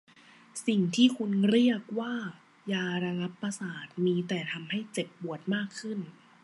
สิ่งที่คุณเรียกว่ายาระงับประสาทมีแต่ทำให้เจ็บปวดมากขึ้น